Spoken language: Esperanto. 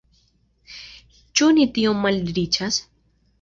Ĉu ni tiom malriĉas?